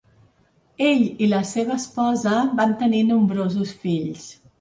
Ell i la seva esposa van tenir nombrosos fills.